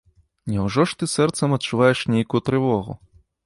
Няўжо ж ты сэрцам адчуваеш нейкую трывогу?